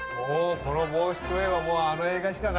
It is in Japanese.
この帽子といえばもうあの映画しかないよね。